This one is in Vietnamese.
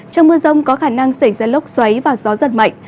trong mưa rông có khả năng xảy ra lốc xoáy và gió giật mạnh